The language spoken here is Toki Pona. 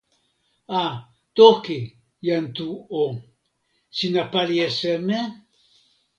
a! toki, jan Tu o! sina pali e seme?